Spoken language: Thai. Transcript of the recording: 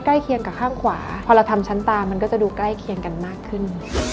เคียงกับข้างขวาพอเราทำชั้นตามันก็จะดูใกล้เคียงกันมากขึ้น